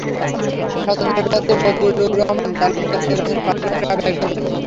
স্বতন্ত্র প্রার্থী বজলুর রহমান তালুকদার নির্বাচনে পাঁচ লাখ টাকা ব্যয় করবেন।